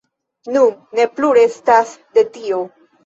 Nun ne plu restas de tio.